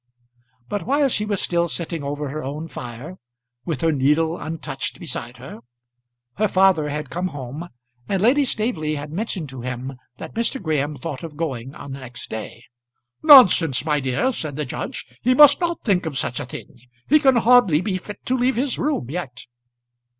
But while she was still sitting over her own fire, with her needle untouched beside her, her father had come home, and Lady Staveley had mentioned to him that Mr. Graham thought of going on the next day. "Nonsense, my dear," said the judge. "He must not think of such a thing. He can hardly be fit to leave his room yet."